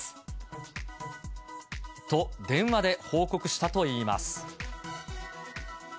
と、電話で報告したといいます。